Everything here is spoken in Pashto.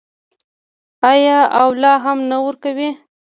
آیا او لا هم نه ورکوي؟